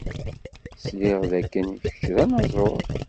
Sliɣ dakken kečč d anaẓur.